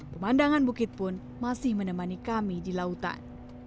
pemandangan bukit pun masih menemani kami di lautan